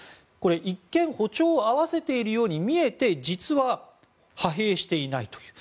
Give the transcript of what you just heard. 一見、歩調を合わせているように見えて実は派兵していないという。